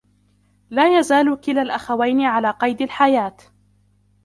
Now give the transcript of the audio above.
لا يزال كلا الأخوين على قيد الحياة.